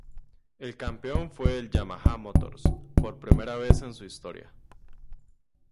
El campeón fue el Yamaha Motors, por primera vez en su historia.